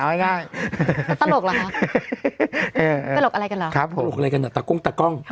ก็ตลกหรออ่าตลกอะไรกันล่ะตลกอะไรกันอ่ะตากล้องตากล้อง